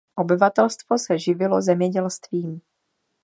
Obyvatelstvo se živilo zemědělstvím.